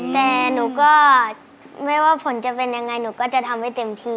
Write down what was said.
แต่หนูก็ไม่ว่าผลจะเป็นยังไงหนูก็จะทำให้เต็มที่